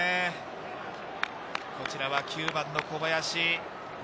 こちらは９番の小林。